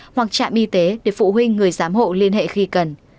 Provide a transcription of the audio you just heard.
hoặc trạm y tế để phụ huynh người giám hộ liên hệ khi cần